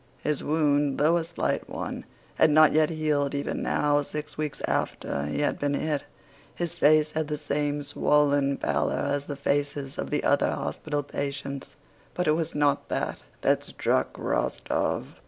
His wound, though a slight one, had not yet healed even now, six weeks after he had been hit. His face had the same swollen pallor as the faces of the other hospital patients, but it was not this that struck Rostóv.